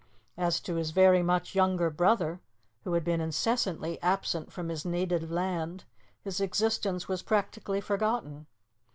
As to his very much younger brother, who had been incessantly absent from his native land, his existence was practically forgotten.